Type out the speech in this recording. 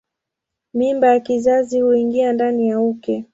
Mimba ya kizazi huingia ndani ya uke.